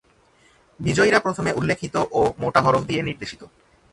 বিজয়ীরা প্রথমে উল্লেখিত ও মোটা হরফ দিয়ে নির্দেশিত।